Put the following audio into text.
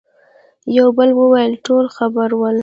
يوه بل وويل: ټول خبر ول.